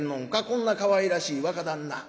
こんなかわいらしい若旦那。